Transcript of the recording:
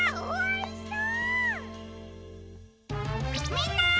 みんな！